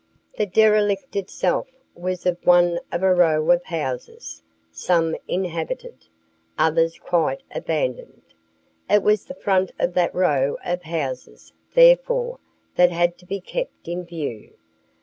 The derelict itself was one of a row of houses, some inhabited, others quite abandoned. It was the front of that row of houses, therefore, that had to be kept in view.